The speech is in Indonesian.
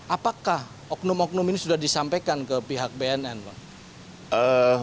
apakah oknum oknum ini sudah disampaikan ke pihak bnn pak